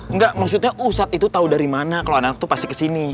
engga maksudnya ustadz itu tau dari mana kalo anak anak tuh pasti kesini